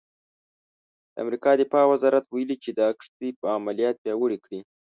د امریکا دفاع وزارت ویلي چې دا کښتۍ به عملیات پیاوړي کړي.